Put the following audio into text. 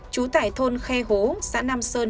trú tải thôn khe hố xã nam sơn